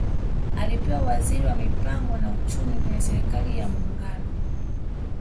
Alipewa uwaziri wa Mipango na Uchumi kwenye Serikali ya Muungano